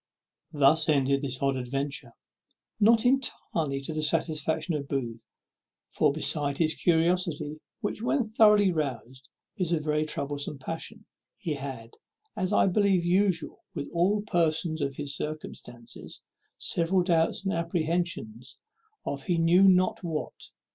Thus ended this odd adventure, not entirely to the satisfaction of Booth; for, besides his curiosity, which, when thoroughly roused, is a very troublesome passion, he had, as is I believe usual with all persons in his circumstances, several doubts and apprehensions of he knew not what.